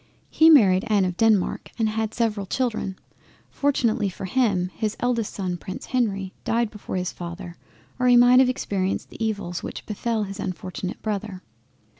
He married Anne of Denmark, and had several Children; fortunately for him his eldest son Prince Henry died before his father or he might have experienced the evils which befell his unfortunate Brother.